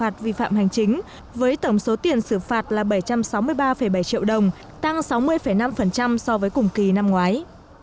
tổng số tiền xử phạt là bảy trăm sáu mươi ba bảy triệu đồng tăng sáu mươi năm so với cùng kỳ năm ngoái